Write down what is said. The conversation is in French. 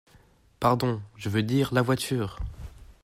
Pardon, je veux dire : la voiture…